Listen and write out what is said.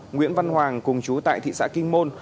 nguyễn văn hoàng cùng chú tại thị xã kinh môn